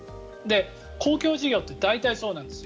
公共事業って大体、そうなんですよ。